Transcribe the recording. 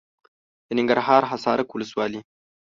د ننګرهار حصارک ولسوالي .